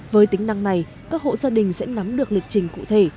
với tính năng này các hộ gia đình sẽ nắm được lịch trình cụ thể